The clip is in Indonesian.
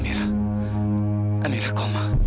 ibu yang koma